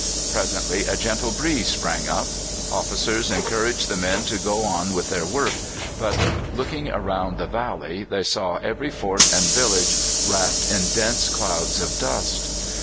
Presently a gentle breeze sprang up. Officers encouraged the men to go on with their work, but, looking round the valley, they saw every fort and village wrapped in dense clouds of dust.